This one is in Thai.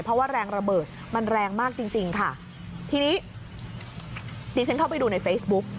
เพราะว่าแรงระเบิดมันแรงมากจริงจริงค่ะทีนี้ดิฉันเข้าไปดูในเฟซบุ๊ก